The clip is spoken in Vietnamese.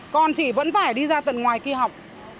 còn chị vẫn phải đi ra tầng ngoài khi học